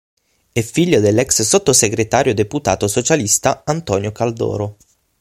È figlio dell'ex sottosegretario e deputato socialista Antonio Caldoro.